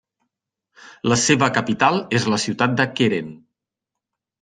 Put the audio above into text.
La seva capital és la ciutat de Keren.